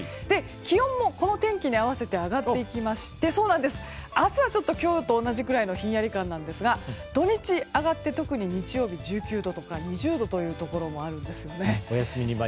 気温も、この天気に合わせて上がっていきまして明日はちょっと今日と同じくらいのひんやり感ですが土日上がって特に日曜日は１９度とか２０度というところもあるんです。